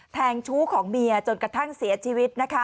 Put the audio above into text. แทงชู้ของเมียจนกระทั่งเสียชีวิต